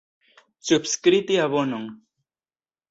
Subskribi abonon.